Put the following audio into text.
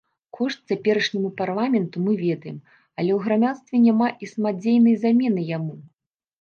Кошт цяперашняму парламенту мы ведаем, але ў грамадстве няма і самадзейнай замены яму.